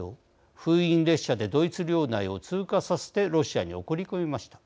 封印列車でドイツ領内を通過させてロシアに送り込みました。